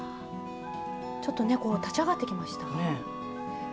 ちょっとねこう立ち上がってきました。